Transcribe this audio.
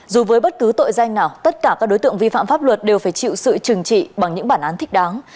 dù với bất cứ tội danh nào tất cả các đối tượng vi phạm pháp luật đều phải chịu sự trừng trị bằng những bản án thích đáng